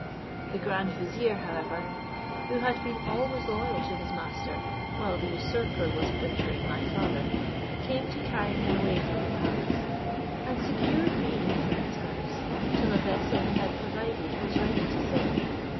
The grand vizier, however, who had been always loyal to his master, while the usurper was butchering my father, came to carry me away from the palace, and secured me in a friend's house, till a vessel he had provided was ready to sail.